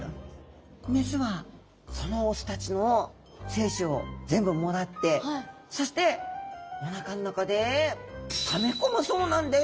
雌はその雄たちの精子を全部もらってそしてお腹の中でため込むそうなんです。